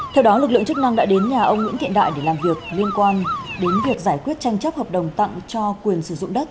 theo đó lực lượng chức năng đã đến nhà ông nguyễn thiện đại để làm việc liên quan đến việc giải quyết tranh chấp hợp đồng tặng cho quyền sử dụng đất